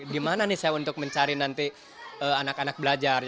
gimana nih saya untuk mencari nanti anak anak belajar